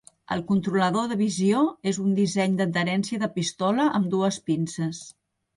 El controlador de visió és un disseny d'adherència de pistola, amb dues pinces.